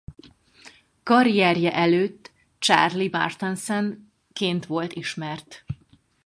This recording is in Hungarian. Karrierje előtt Charlie Martensen ként volt ismert.